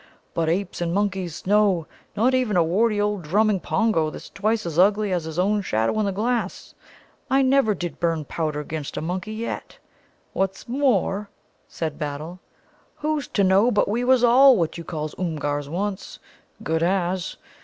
But apes and monkeys, no; not even a warty old drumming Pongo that's twice as ugly as his own shadow in the glass. I never did burn powder 'gainst a monkey yet. What's more," said Battle, "who's to know but we was all what you calls Oomgars once? Good as.